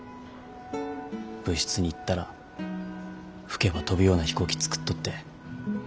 部室に行ったら吹けば飛ぶような飛行機作っとって。